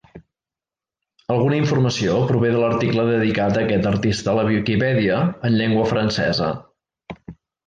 Alguna informació prové de l'article dedicat a aquest artista en la Wikipedia en llengua francesa.